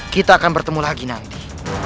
kita akan bertemu lagi nanti